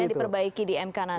yang diperbaiki di mk nanti